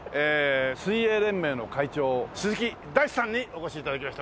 水泳連盟の会長鈴木大地さんにお越し頂きました。